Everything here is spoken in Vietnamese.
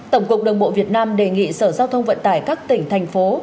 tổng cục đường bộ việt nam đề nghị sở giao thông vận tải các tỉnh thành phố